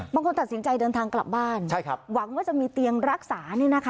บางคนตัดสินใจเดินทางกลับบ้านหวังว่าจะมีเตียงรักษา